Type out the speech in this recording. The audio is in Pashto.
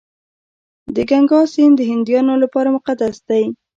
د ګنګا سیند د هندیانو لپاره مقدس دی.